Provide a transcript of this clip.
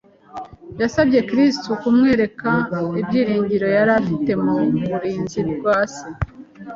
Yasabye Kristo kumwereka ibyiringiro yari afite mu burinzi bwa Se